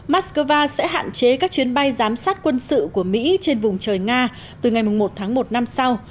mắc cơ va sẽ hạn chế các chuyến bay giám sát quân sự của mỹ trên vùng trời nga từ ngày một tháng một năm sau